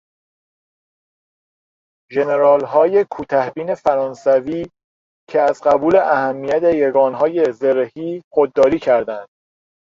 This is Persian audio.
ژنرالهای کوتهبین فرانسویکه از قبول اهمیت یکانهای زرهی خودداری کردند